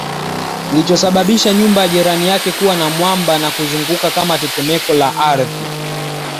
kilichosababisha nyumba ya jirani yake kuwa mwamba na kuzunguka kama tetemeko la ardhi